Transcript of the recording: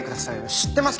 知ってます。